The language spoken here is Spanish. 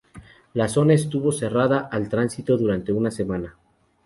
La zona estuvo cerrada al tránsito durante una semana.